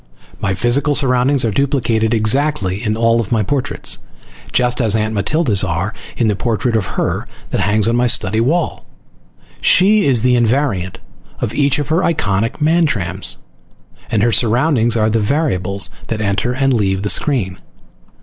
My physical surroundings are duplicated exactly in all my portraits, just as Aunt Matilda's are in the portrait of her that hangs on my study wall. She is the invariant of each of her iconic Mantrams and her surroundings are the variables that enter and leave the screen.